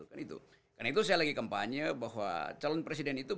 karena itu saya lagi kampanye bahwa calon presiden itu